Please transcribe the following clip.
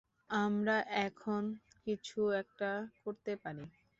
আমরা এখনও কিছু একটা করতে পারি।